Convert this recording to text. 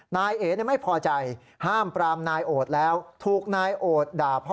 นายเอ๋ไม่พอใจห้ามปรามนายโอดแล้วถูกนายโอดด่าพ่อ